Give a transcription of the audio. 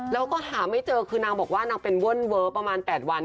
แล้วก็หาไม่เจอคือนางบอกว่านางเป็นเว่นเว้อประมาณ๘วัน